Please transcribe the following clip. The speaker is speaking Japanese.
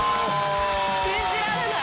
信じられない。